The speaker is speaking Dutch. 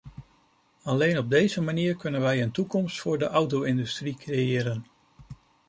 Alleen op deze manier kunnen we een toekomst voor de auto-industrie creëren.